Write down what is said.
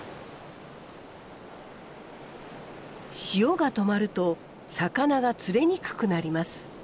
潮が止まると魚が釣れにくくなります。